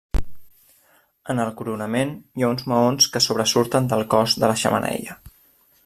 En el coronament hi ha uns maons que sobresurten del cos de la xemeneia.